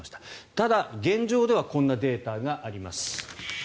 ただ、現状ではこんなデータがあります。